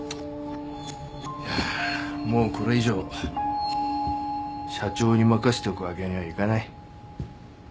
いやもうこれ以上社長に任しておくわけにはいかない。